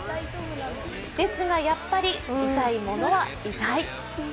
ですが、やっぱり痛いものは痛い。